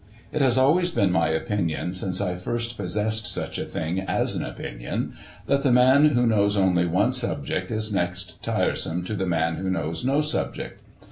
It has always been my opinion since I first possessed such a thing as an opinion, that the man who knows only one sub ject is next tiresome to the man who knows no subject.